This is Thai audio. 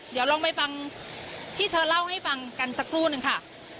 เดี๋ยวลองไปฟังที่เธอเล่าให้ฟังกันสักครู่นึงค่ะ